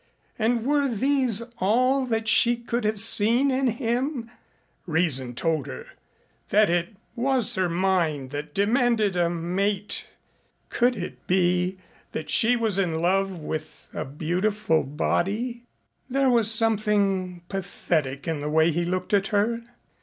And were these all that she could have seen in him? Reason told her that it was her mind that demanded a mate. Could it be that she was in love with a beautiful body? There was something pathetic in the way he looked at her.